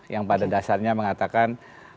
yang pada dasarnya mengatakan